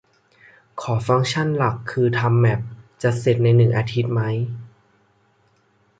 ขอฟังก์ชันหลักคือทำแม็ป จะเสร็จในหนึ่งอาทิตย์ไหม